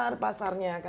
lumayan besar pasarnya